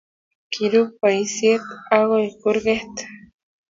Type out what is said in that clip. kirub boisiek agoi kurket